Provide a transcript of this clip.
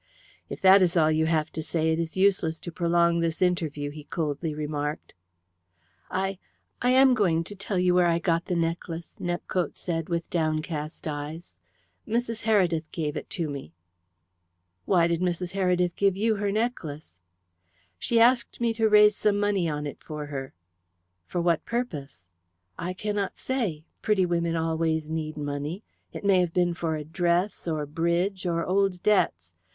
"If that is all you have to say it is useless to prolong this interview," he coldly remarked. "I I am going to tell you where I got the necklace," Nepcote said, with downcast eyes. "Mrs. Heredith gave it to me." "Why did Mrs. Heredith give you her necklace?" "She asked me to raise some money on it for her." "For what purpose?" "I cannot say. Pretty women always need money. It may have been for dress, or bridge, or old debts.